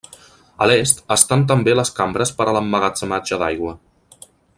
A l'est estan també les cambres per a l'emmagatzematge d'aigua.